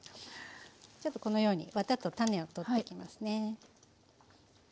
ちょっとこのようにわたと種を取っていきますね。